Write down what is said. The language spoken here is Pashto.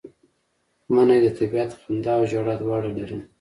منی د طبیعت خندا او ژړا دواړه لري